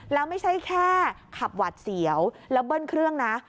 แล้วไม่ใช่แค่ขับหวัดเสียวแล้วเบิ้ลเครื่องนะ